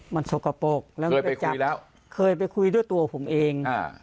มันสกปรกแล้วเคยไปคุยแล้วเคยไปคุยด้วยตัวผมเอง